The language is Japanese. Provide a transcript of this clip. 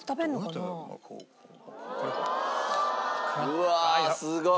うわすごい！